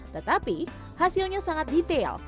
tetapi hasilnya sangat detail